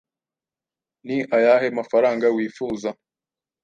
Ni ayahe mafaranga wifuza?